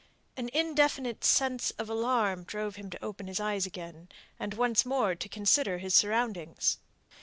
An indefinite sense of alarm drove him to open his eyes again, and once more to consider his surroundings.